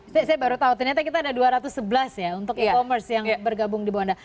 saya baru tahu ternyata kita ada dua ratus sebelas ya untuk e commerce yang bergabung di bunda